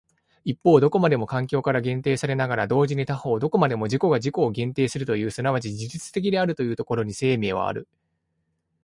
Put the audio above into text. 一方どこまでも環境から限定されながら同時に他方どこまでも自己が自己を限定するという即ち自律的であるというところに生命はある。